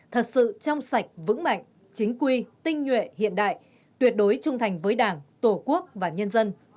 thật sự trong sạch vững mạnh chính quy tinh nhuệ hiện đại tuyệt đối trung thành với đảng tổ quốc và nhân dân